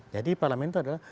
jadi i parlemen itu adalah